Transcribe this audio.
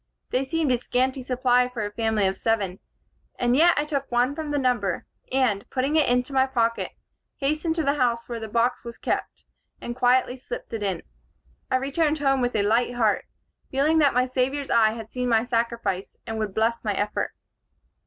They seemed a scanty supply for a family of seven; and yet I took one from the number, and, putting it into my pocket, hastened to the house where the box was kept, and quietly slipped it in. I returned home with a light heart, feeling that my Saviour's eye had seen my sacrifice, and would bless my effort.